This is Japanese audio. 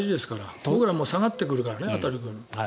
僕らは下がってくるからね。